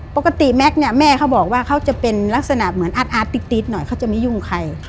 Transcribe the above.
ปกติแม็กซ์เนี่ยแม่เขาบอกว่าเขาจะเป็นลักษณะเหมือนอาร์ตติ๊ดหน่อยเขาจะไม่ยุ่งใคร